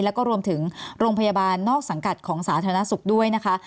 แล้วก็รวมถึงโรงพยาบาลนอกสังกัดของสาธารณสุขด้วยนะคะ